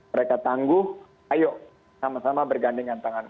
mereka tangguh ayo sama sama bergandengan tangan